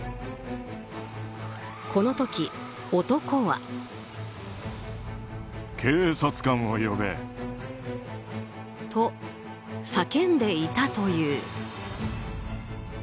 この時、男は。と、叫んでいたという。